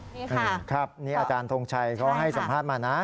นี่ครับนี่อาจารย์ทงชัยเขาให้สัมภาษณ์มานะ